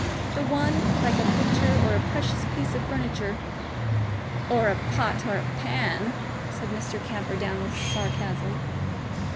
The one, like a picture or a precious piece of furniture, " "Or a pot or a pan," said Mr. Camperdown, with sarcasm.